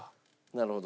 なるほど。